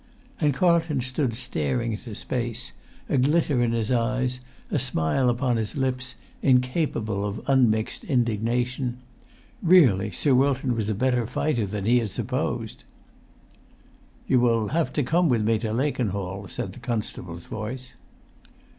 And Carlton stood staring into space, a glitter in his eyes, a smile upon his lips, incapable of unmixed indignation: really, Sir Wilton was a better fighter than he had supposed. "You will have to come with me to Lakenhall," said the constable's voice.